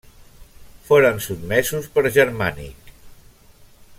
Foren sotmesos per Germànic.